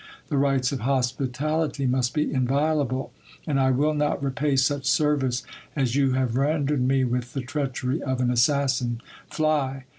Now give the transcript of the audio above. The rights of hospitality must be inviolable, and I will not repay such service as you have rendered me with the treachery of an assassin. Fly